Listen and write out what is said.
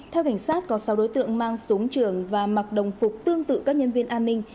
theo cảnh sát có sáu đối tượng mang súng trường và mặc đồng phục tương tự các nhân viên an ninh